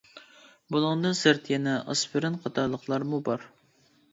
بۇنىڭدىن سىرت يەنە ئاسپىرىن قاتارلىقلارمۇ بار.